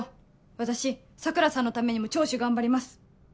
私桜さんのためにも聴取頑張ります。